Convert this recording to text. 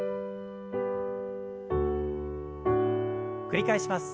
繰り返します。